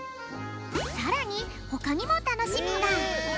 さらにほかにもたのしみが。